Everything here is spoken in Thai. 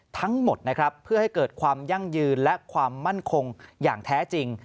ทั้งหมดนะครับเพื่อให้เกิดความยั่งยืนและความมั่นคงอย่างแท้จริง